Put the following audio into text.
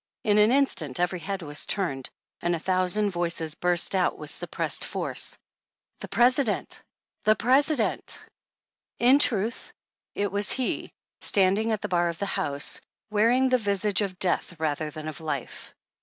In an instant, every head was turned and a thousand voices burst out with suppressed force : The President ! The President !" In truth, it was he, standing at the bar of the House, wearing the visage of death rather than of life.